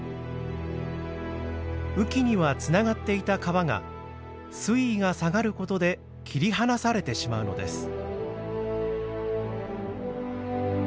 雨季にはつながっていた川が水位が下がる事で切り離されてしまうのです。